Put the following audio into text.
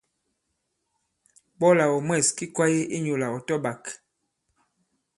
Ɓɔlà ɔ̀ mwɛ̂s ki kwāye inyūlà ɔ̀ tɔ-ɓāk.